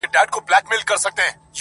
څه ګلاب سوې څه نرګس او څه سنبل سوې.